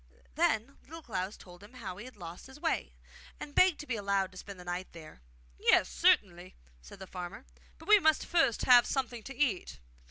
Then Little Klaus told him how he had lost his way, and begged to be allowed to spend the night there. 'Yes, certainly,' said the farmer; 'but we must first have something to eat!